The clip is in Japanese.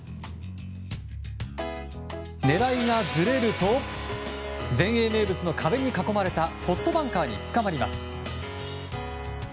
狙いがずれると、全英名物の壁に囲まれたポットバンカーにつかまります。